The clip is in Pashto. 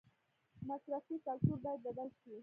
مصرفي کلتور باید بدل شي